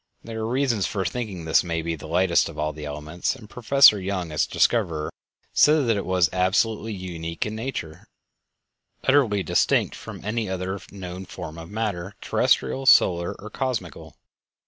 There are reasons for thinking that this may be the lightest of all the elements, and Professor Young, its discoverer, said that it was "absolutely unique in nature; utterly distinct from any other known form of matter, terrestial, solar, or cosmical."